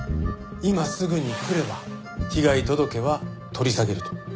今すぐに来れば被害届は取り下げると。